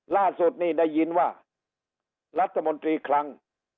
ล่าสุดนี่ได้ยินว่ารัฐมนตรีคลัง